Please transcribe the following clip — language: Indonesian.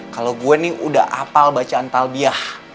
kalo gua ini udah apal bacaan talbiah